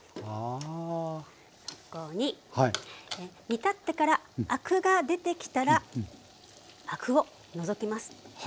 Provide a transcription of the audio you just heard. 煮立ってからアクが出てきたらアクを除きます。